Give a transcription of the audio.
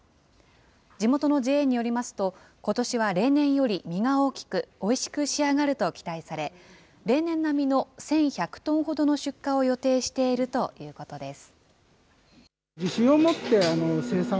地元のＪＡによりますと、ことしは例年より実が大きく、おいしく仕上がると期待され、例年並みの１１００トンほどの出荷を予定しているということです。